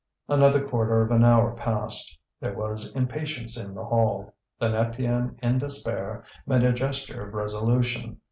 Another quarter of an hour passed; there was impatience in the hall. Then Étienne, in despair, made a gesture of resolution.